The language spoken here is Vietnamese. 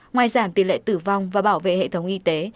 ngoài giảm tỷ lệ tử vong và bảo vệ hệ thống y tế